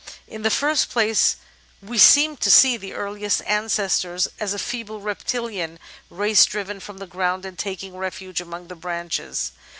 In the first place we seem to see the earliest ancestors as a feeble reptilian race driven from the ground and taking refuge among the branches.